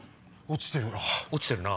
落ちてるな。